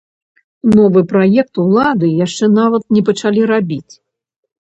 Новы праект улады яшчэ нават не пачалі рабіць.